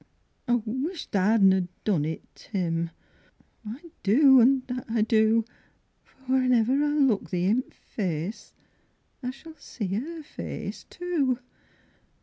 I wish tha hadna done it, Tim, I do, an' that I do! For whenever I look thee i' th' face, I s'll see Her face too.